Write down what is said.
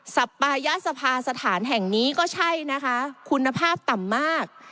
สัปปายสภาสถานแห่งนี้ก็ใช่นะคะคุณภาพต่ำมาก